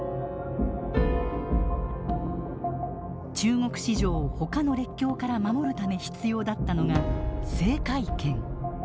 中国市場をほかの列強から守るため必要だったのが制海権。